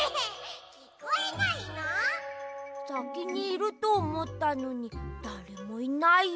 さきにいるとおもったのにだれもいないや。